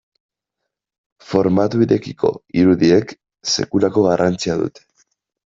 Formatu irekiko irudiek sekulako garrantzia dute.